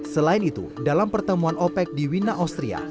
selain itu dalam pertemuan opec di wina austria